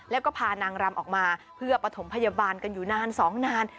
แล้วก็พานางรำออกมาเพื่อปฐมพยาบาลกันอยู่นานสองนาน